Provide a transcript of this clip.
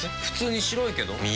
普通に白いけど。